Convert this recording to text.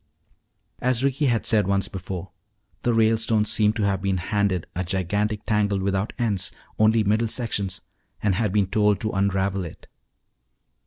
As Ricky had said once before, the Ralestones seemed to have been handed a gigantic tangle without ends, only middle sections, and had been told to unravel it.